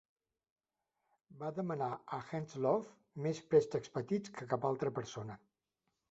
Va demanar a Henslowe més préstecs petits que cap altra persona.